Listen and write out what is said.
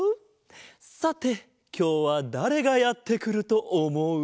さてきょうはだれがやってくるとおもう？